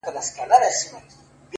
ډيره ژړا لـــږ خـــنــــــــــدا _